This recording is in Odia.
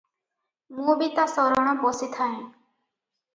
ମୁଁ ବି ତା ଶରଣ ପଶିଥାଏଁ ।